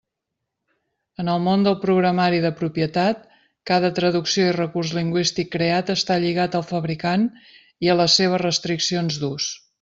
En el món del programari de propietat, cada traducció i recurs lingüístic creat està lligat al fabricant i a les seves restriccions d'ús.